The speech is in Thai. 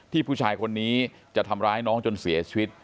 ผู้ชายคนนี้จะทำร้ายน้องจนเสียชีวิต